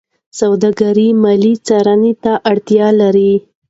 سوداګري مالي څارنې ته اړتیا لري.